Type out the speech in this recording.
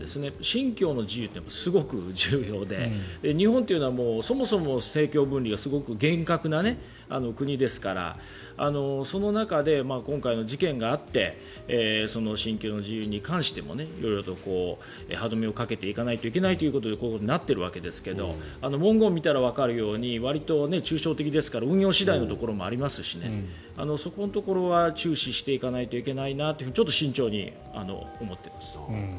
信教の自由ってすごく重要で日本というのはそもそも政教分離がすごく厳格な国ですからその中で今回の事件があって信教の自由に関しても色々と歯止めをかけていかないといけないということになっているわけですが文言を見たらわかるようにわりと抽象的ですから運用次第のところもありますしそこのところは注視していかないといけないなとちょっと慎重に思っています。